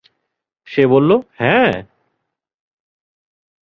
সে বলল, হ্যাঁ।